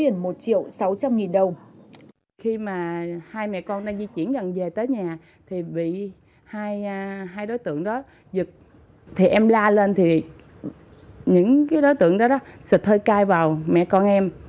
em la lên thì những đối tượng đó xịt hơi cay vào mẹ con em